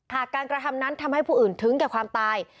การกระทำนั้นทำให้ผู้อื่นถึงแก่ความตาย